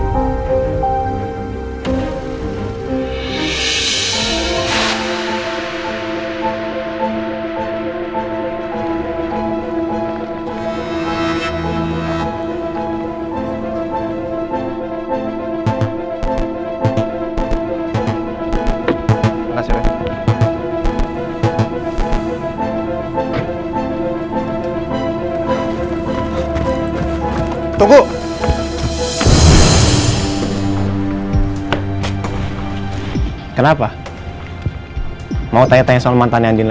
mama bosan disini